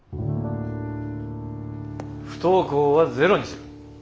不登校はゼロにする。